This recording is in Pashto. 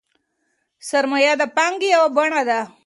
سرمایه د پانګې یوه بڼه ده.